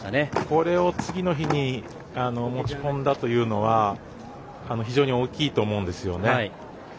これを次の日に持ち込んだというのは非常に大きいと思うんですよね。